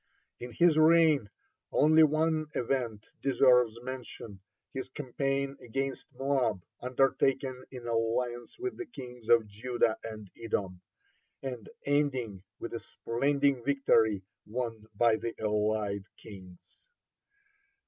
(53) In his reign only one event deserves mention, his campaign against Moab, undertaken in alliance with the kings of Judah and Edom, and ending with a splendid victory won by the allied kings.